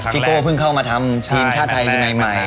พี่โกทึึงเข้ามาทำทีมชาติไทยที่ใหม่